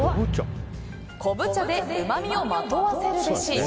昆布茶でうまみをまとわせるべし。